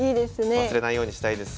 忘れないようにしたいです。